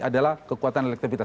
adalah kekuatan elektivitas